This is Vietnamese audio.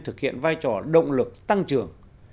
thực hiện vai trò động lực tăng trưởng